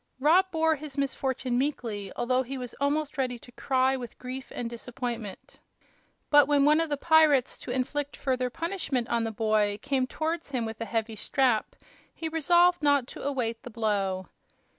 Rob bore his misfortune meekly, although he was almost ready to cry with grief and disappointment. But when one of the pirates, to inflict further punishment on the boy, came towards him with a heavy strap, he resolved not to await the blow.